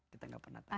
kita gak pernah tahu